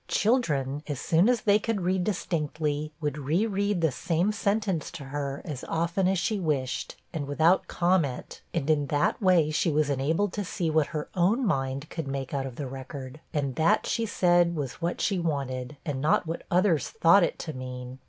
Children, as soon as they could read distinctly, would re read the same sentence to her, as often as she wished, and without comment; and in that way she was enabled to see what her own mind could make out of the record, and that, she said, was what she wanted, and not what others thought it to mean.